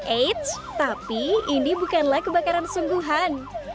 eits tapi ini bukanlah kebakaran sungguhan